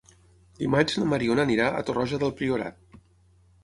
Dimarts na Mariona anirà a Torroja del Priorat.